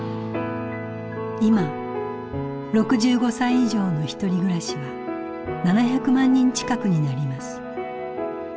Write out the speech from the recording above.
今６５歳以上のひとり暮らしは７００万人近くになります。